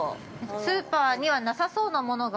◆スーパーにはなさそうなものが。